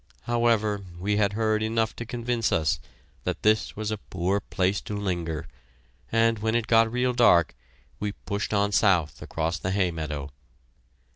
However, we had heard enough to convince us that this was a poor place to linger, and when it got real dark, we pushed on south across the hay meadow.